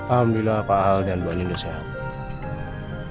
alhamdulillah pak alden mbak andin udah sehat